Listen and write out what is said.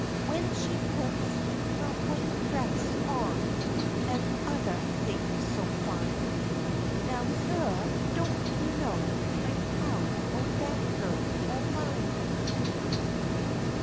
W'en she puts her w'ite dress on an' othah things so fine; Now, Su', don't you know I'm proud o' dat gal o' mine.